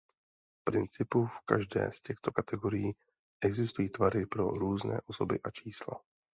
V principu v každé z těchto kategorií existují tvary pro různé osoby a čísla.